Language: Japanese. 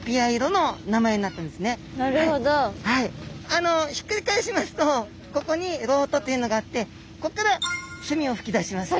あのひっくり返しますとここに漏斗というのがあってこっからすみをふき出します。